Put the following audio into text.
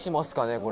これ」